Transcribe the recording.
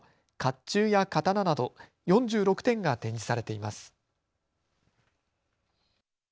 っちゅうや刀など４６点が展示されています。